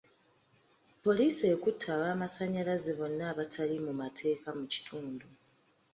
Poliisi ekutte ab'amasannyalaze bonna abatali mu mateeka mu kitundu.